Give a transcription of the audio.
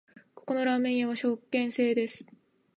ここのラーメン屋は食券制です